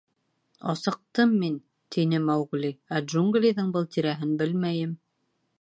— Асыҡтым мин, — тине Маугли, — ә джунглиҙың был тирәһен белмәйем.